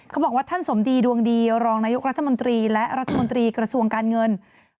เขาบอกว่าท่านสมดีดวงดีรองนายกรัฐมนตรีและรัฐมนตรีกระทรวงการเงิน